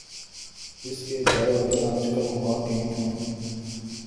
اس کے گھر والے آجکل واہ کینٹ میں